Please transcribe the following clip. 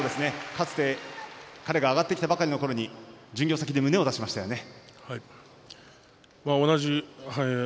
かつて彼が上がってきたばかりの時に巡業先で、胸を出しましたね。